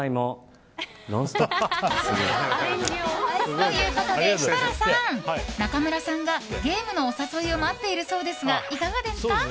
ということで設楽さん中村さんがゲームのお誘いを待っているそうですがいかがですか？